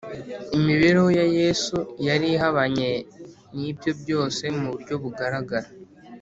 imibereho ya yesu yari ihabanye n’ibyo byose mu buryo bugaragara